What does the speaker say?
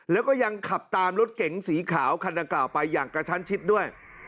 แล้วก็ยังขับตามรถเก๋งสีขาวคันดังกล่าวไปอย่างกระชั้นชิดด้วย